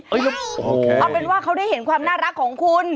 เอาเป็นว่าเขาได้เห็นความน่ารักของคุณ